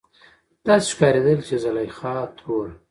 داسې ښکارېدل چې زليخا ترور